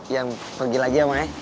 yan pergi lagi ya ma ya